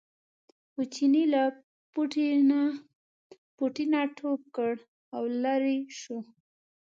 خو چیني له پوټي نه ټوپ کړ او لرې شو.